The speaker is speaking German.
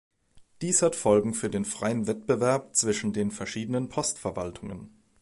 Dies hat Folgen für den freien Wettbewerb zwischen den verschiedenen Postverwaltungen.